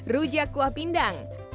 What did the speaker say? rujak kuah pindang